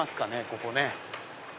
ここね。